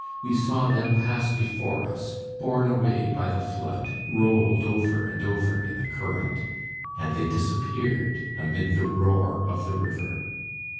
We saw them pass before us, borne away by the flood, rolled over and over in the current. And they disappeared amid the roar of the river.